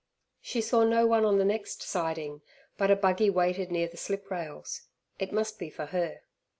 She saw no one on the next siding, but a buggy waited near the sliprails. It must be for her.